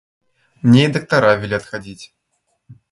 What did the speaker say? Мне и доктора велят ходить.